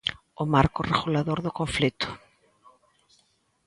O marco regulador do conflito.